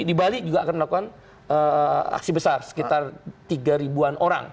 di bali juga akan melakukan aksi besar sekitar tiga ribuan orang